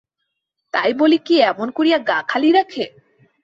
তাই বলিয়া কি এমন করিয়া গা খালি রাখে?